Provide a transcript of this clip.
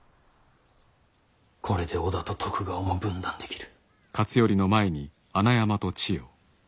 これで織田と徳川も分断できる。